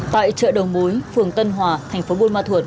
tại chợ đồng mối phường tân hòa